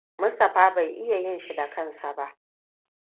Mustapha bai iya yin shi da kansa ba.